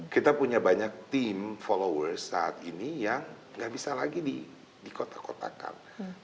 kita punya banyak team followers saat ini yang nggak bisa lagi di kotak kotakkan